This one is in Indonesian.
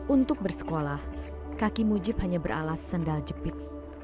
untuk bersekolah kaki mujib hanya beralas sendal jepit